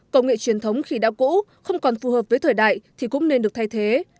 công nghệ truyền thống khi đã cũ không còn phù hợp với thời đại thì cũng nên được thay thế